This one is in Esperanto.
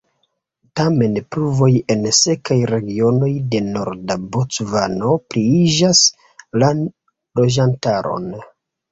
Tamen pluvoj en sekaj regionoj de norda Bocvano pliiĝas la loĝantaron.